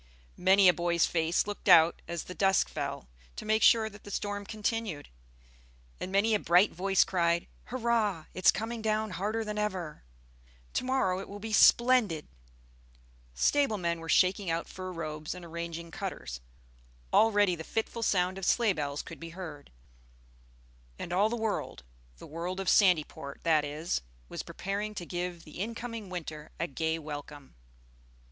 Many a boy's face looked out as the dusk fell, to make sure that the storm continued; and many a bright voice cried, "Hurrah! It's coming down harder than ever! To morrow it will be splendid!" Stable men were shaking out fur robes and arranging cutters. Already the fitful sound of sleigh bells could be heard; and all the world the world of Sandyport that is was preparing to give the in coming winter a gay welcome.